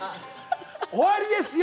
終わりですよ！